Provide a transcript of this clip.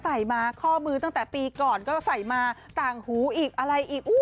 ใส่มาข้อมือตั้งแต่ปีก่อนก็ใส่มาต่างหูอีกอะไรอีก